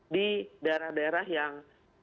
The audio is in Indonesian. di daerah daerah yang